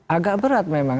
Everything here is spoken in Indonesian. agak berat memang